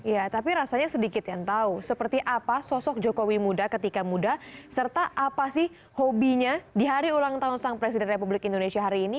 ya tapi rasanya sedikit yang tahu seperti apa sosok jokowi muda ketika muda serta apa sih hobinya di hari ulang tahun sang presiden republik indonesia hari ini